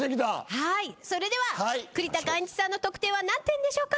それでは栗田貫一さんの得点は何点でしょうか？